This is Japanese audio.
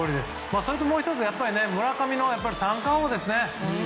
それともう１つ村上の三冠王ですね。